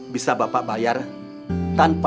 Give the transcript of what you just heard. bisa diperlukan untuk mencari uang yang berbeda